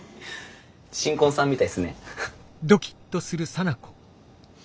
新婚さんみたいっすね。